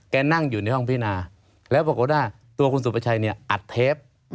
นั่งอยู่ในห้องพินาแล้วปรากฏว่าตัวคุณสุประชัยเนี่ยอัดเทป